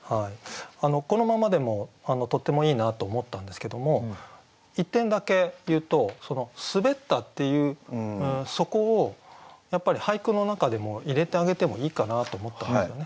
このままでもとってもいいなと思ったんですけども１点だけ言うと滑ったっていうそこを俳句の中でも入れてあげてもいいかなと思ったんですよね。